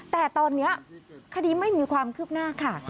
แต่ตอนนี้คดีไม่มีความคืบหน้าค่ะ